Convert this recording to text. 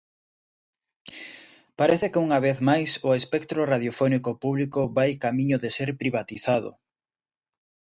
Parece que unha vez máis o espectro radiofónico público vai camiño de ser privatizado.